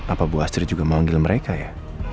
apa bu astrid juga mau ngambil mereka ya